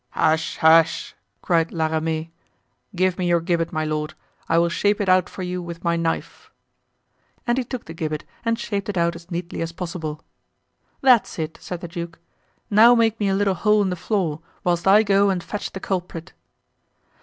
"Hush! hush!" cried La Ramee, "give me your gibbet, my lord. I will shape it out for you with my knife." And he took the gibbet and shaped it out as neatly as possible. "That's it," said the duke, "now make me a little hole in the floor whilst I go and fetch the culprit."